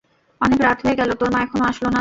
অনেক রাত হয়ে গেল, তোর মা এখনো আসলো না?